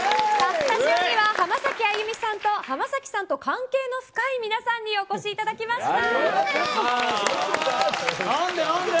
スタジオには浜崎あゆみさんと浜崎さんと関係の深い皆さんにお越しいただきました。